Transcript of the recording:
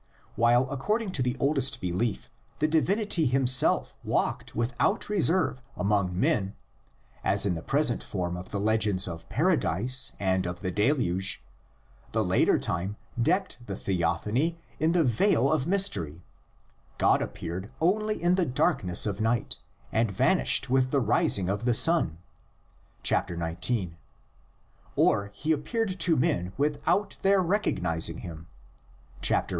While according to the oldest belief the divinity himself walked without reserve among men — as in the present form of the legends of Paradise and of the Deluge — the later time decked the theophany in the veil of mystery: God ap peared only in the darkness of night and vanished with the rising of the sun (xix.) ; or he appeared to men without their recognising him (xviii.)